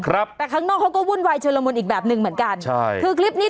ครับแต่ข้างนอกเขาก็วุ่นวายชนละมุนอีกแบบหนึ่งเหมือนกันใช่คือคลิปนี้